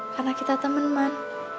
karena kita temen man